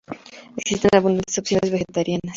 Existen abundantes opciones vegetarianas.